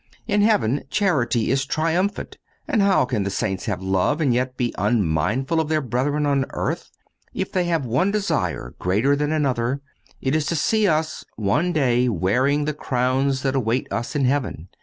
In heaven, charity is triumphant. And how can the saints have love, and yet be unmindful of their brethren on earth? If they have one desire greater than another, it is to see us one day wearing the crowns that await us in heaven.